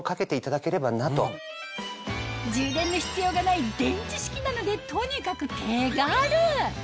充電の必要がない電池式なのでとにかく手軽！